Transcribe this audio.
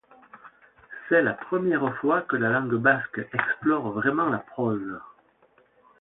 C'est la première fois que la langue basque explore vraiment la prose.